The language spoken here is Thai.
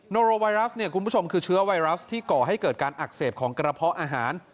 โรไวรัสเนี่ยคุณผู้ชมคือเชื้อไวรัสที่ก่อให้เกิดการอักเสบของกระเพาะอาหาร